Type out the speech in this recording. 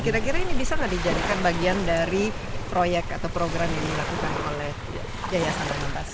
kira kira ini bisa nggak dijadikan bagian dari proyek atau program yang dilakukan oleh yayasan permentas